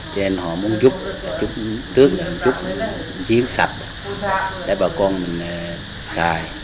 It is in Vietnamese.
cho nên họ muốn giúp trước là giúp chiến sạch để bà con mình xài